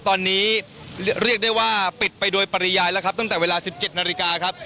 ตอนนี้เรียกได้ว่าปิดไปโดยปริยายแล้วครับตั้งแต่เวลา๑๗นาฬิกาครับ